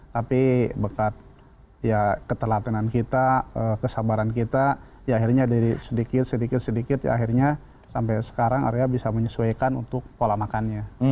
tapi bekat ya ketelatenan kita kesabaran kita ya akhirnya dari sedikit sedikit ya akhirnya sampai sekarang arya bisa menyesuaikan untuk pola makannya